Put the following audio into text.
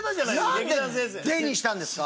何で「で」にしたんですか？